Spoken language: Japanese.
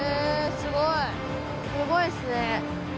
すごいですね！